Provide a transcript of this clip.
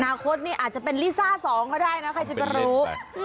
คตนี่อาจจะเป็นลิซ่า๒ก็ได้นะใครจะรู้